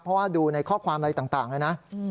เพราะว่าดูในข้อความอะไรต่างนะ